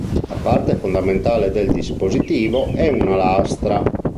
La parte fondamentale del dispositivo è una lastra.